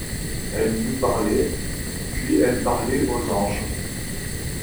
Elle nous parlait, puis elle parlait aux anges.